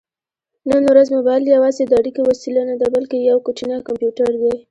نن ورځ مبایل یوازې د اړیکې وسیله نه ده، بلکې یو کوچنی کمپیوټر دی.